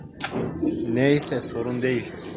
Neyse, sorun değil.